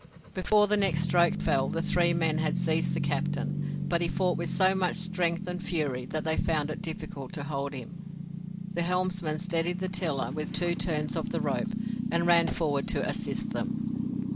Before the next stroke fell the three men had seized the captain; but he fought with so much strength and fury that they found it difficult to hold him. The helmsman steadied the tiller with two turns of the rope and ran forward to assist them.